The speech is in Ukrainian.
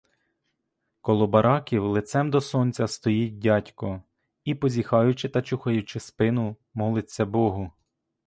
Коло бараків, лицем до сонця, стоїть дядько і, позіхаючи та чухаючи спину, молиться богу.